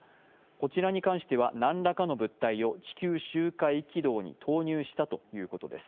こちらに関しては何らかの物体を地球周回軌道に投入したということです。